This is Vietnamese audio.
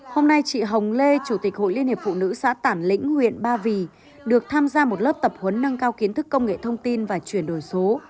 hôm nay chị hồng lê chủ tịch hội liên hiệp phụ nữ xã tản lĩnh huyện ba vì được tham gia một lớp tập huấn nâng cao kiến thức công nghệ thông tin và chuyển đổi số